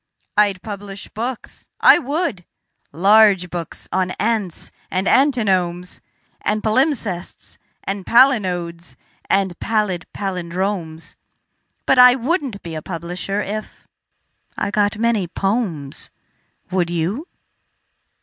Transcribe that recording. I'd publish books, I would large books on ants and antinomes And palimpsests and palinodes and pallid pallindromes: But I wouldn't be a publisher if .... I got many "pomes." Would you?